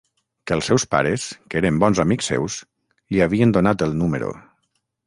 Que els seus pares, que eren bons amics seus, li havien donat el número.